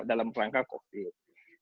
dalam rangka covid